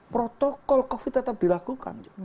protokol covid tetap dilakukan